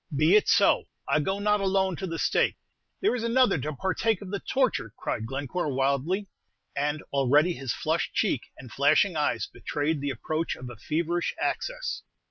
"Be it so; I go not alone to the stake; there is another to partake of the torture," cried Glencore, wildly; and already his flushed cheek and flashing eyes betrayed the approach of a feverish access.